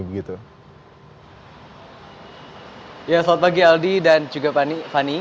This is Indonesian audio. selamat pagi aldi dan juga fani